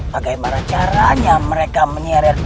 bagaimana caranya mereka menyeret